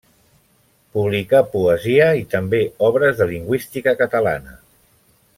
Publicà poesia i també obres de lingüística catalana.